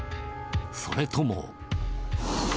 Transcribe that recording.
それとも。